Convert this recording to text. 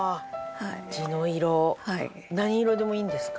何色でもいいんですか？